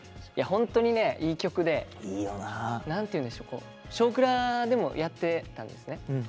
ホントにねいい曲で何ていうんでしょうこう「少クラ」でもやってたんですね。